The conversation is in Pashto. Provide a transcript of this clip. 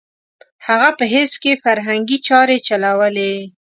هغه په حزب کې فرهنګي چارې چلولې.